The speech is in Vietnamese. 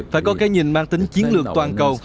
phải có cái nhìn mang tính chiến lược toàn cầu